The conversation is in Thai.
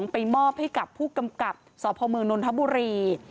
ไปมอบให้กับผู้กำกับสพมนนทบุรี